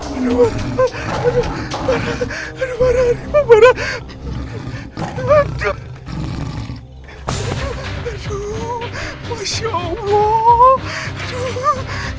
aduh masya allah